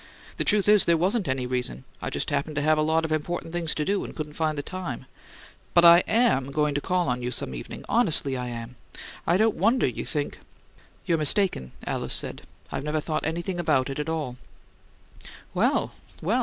The truth is there wasn't any reason: I just happened to have a lot of important things to do and couldn't find the time. But I AM going to call on you some evening honestly I am. I don't wonder you think " "You're mistaken," Alice said. "I've never thought anything about it at all." "Well, well!"